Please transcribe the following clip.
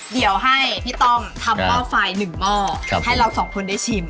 เดี๋ยวให้พี่ต้อมทำหม้อไฟ๑หม้อให้เราสองคนได้ชิม